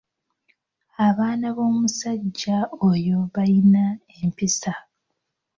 Abaana b'omusajja oyo bayina empisa.